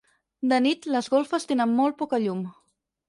De nit, les golfes tenen molt poca llum.